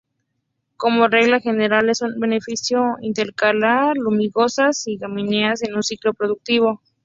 Como regla general es muy beneficioso intercalar leguminosas y gramíneas en un ciclo productivo.